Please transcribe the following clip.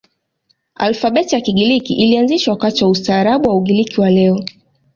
Alfabeti ya Kigiriki ilianzishwa wakati wa ustaarabu wa Ugiriki wa leo.